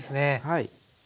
はい。